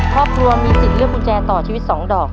ครอบครัวมีสิทธิ์เลือกกุญแจต่อชีวิต๒ดอก